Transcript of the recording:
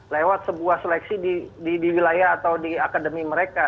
lewat sebuah seleksi di wilayah atau di akademi mereka